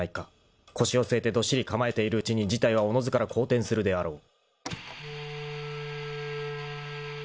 ［腰を据えてどっしり構えているうちに事態はおのずから好転するであろう］